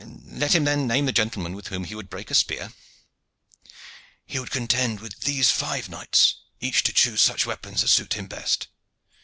"Let him then name the gentleman with whom he would break a spear." "He would contend with these five knights, each to choose such weapons as suit him best."